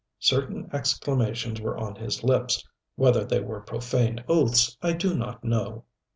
Certain exclamations were on his lips whether they were profane oaths I do not know.